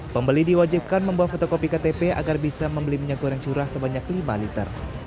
pembeli diwajibkan membawa fotokopi ktp agar bisa membeli minyak goreng curah sebanyak lima liter